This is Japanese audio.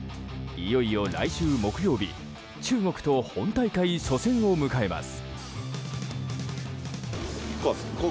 いよいよ来週木曜日中国と本大会初戦を迎えます。